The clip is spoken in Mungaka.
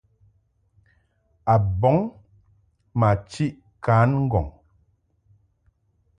A bɔŋ ma chiʼ kan ŋgɔŋ.